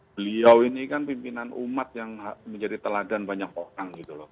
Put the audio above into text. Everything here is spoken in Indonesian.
beliau ini kan pimpinan umat yang menjadi teladan banyak orang gitu loh